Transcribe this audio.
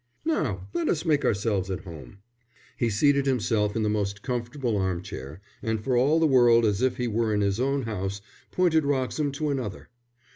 "Now let us make ourselves at home." He seated himself in the most comfortable arm chair, and, for all the world as if he were in his own house, pointed Wroxham to another.